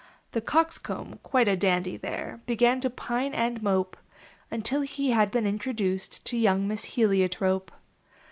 The Coxcomb, quite a dandy there, Began to pine and mope, Until he had been introduced To young Miss Heliotrope.